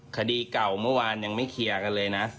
คดีเก่าเมื่อวานยังไม่เคลียร์กันเลยนะ